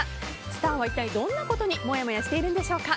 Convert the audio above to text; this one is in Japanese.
スターは一体どんなことにもやもやしてるんでしょうか。